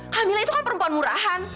hamil itu kan perempuan murahan